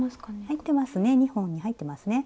入ってますね２本に入ってますね。